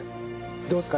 どうですか？